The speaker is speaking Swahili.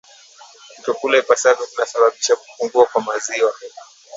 Kutokula ipasavyo kunasababisha kupungua kwa maziwa